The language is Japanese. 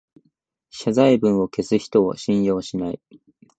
謝罪文を消す人を信用しない